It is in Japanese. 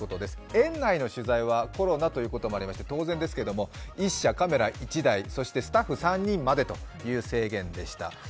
園内の取材はコロナということもありまして当然ですけれども１社カメラ１台、スタッフ３人までという制限でした。